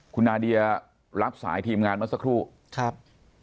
คุณนาเดียรับสายทีมงานเมื่อสักครู่ครับ